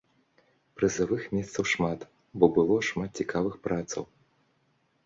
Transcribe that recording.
Прызавых месцаў шмат, бо было шмат цікавых працаў.